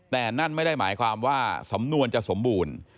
แต่นั่นไม่ได้หมายความว่าสำนวนจะสมบูรณ์